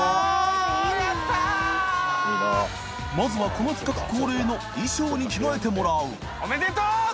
この企画恒例の衣装に着替えてもらう淵船礇鵝おめでとう！